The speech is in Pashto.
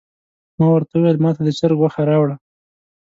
ما ورته وویل ماته د چرګ غوښه راوړه.